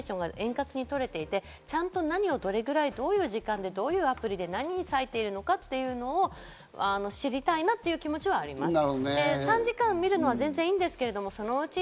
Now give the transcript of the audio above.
親子でコミュニケーションが円滑に取れていて、ちゃんと何をどれぐらい、どういう時間でどういうアプリで何に割いているのか知りたいなという気持ちはあります。